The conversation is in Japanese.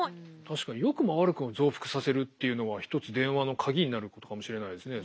確かによくも悪くも増幅させるっていうのは一つ電話の鍵になることかもしれないですね